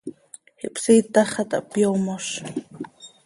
Ihpsiitax xah taa hpyoomoz.